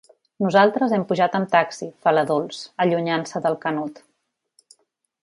Nosaltres hem pujat amb taxi, fa la Dols, allunyant-se del Canut.